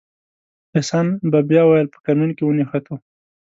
احسان به بیا ویل په کمین کې ونښتو.